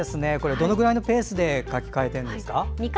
どれくらいのペースで描き変えているんですか？